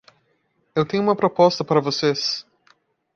Eu tenho uma proposta para vocês.